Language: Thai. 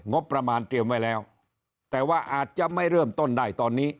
งบประมาณเตรียมไว้แล้วแต่ว่าอาจจะไม่เริ่มต้นได้ตอนนี้